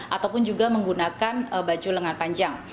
ataupun juga menggunakan baju lengan panjang